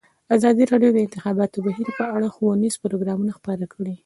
ازادي راډیو د د انتخاباتو بهیر په اړه ښوونیز پروګرامونه خپاره کړي.